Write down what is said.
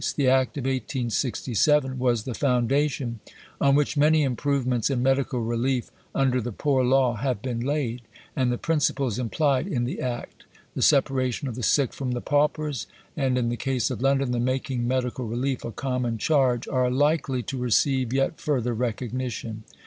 The Act of 1867 was the foundation on which many improvements in medical relief under the Poor Law have been laid, and the principles implied in the Act the separation of the sick from the paupers, and in the case of London the making medical relief a common charge are likely to receive yet further recognition.